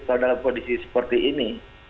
kalau dalam kondisi seperti ini